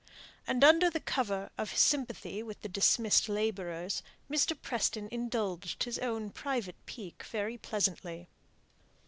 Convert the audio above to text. And, under the cover of sympathy with the dismissed labourers, Mr. Preston indulged his own private pique very pleasantly.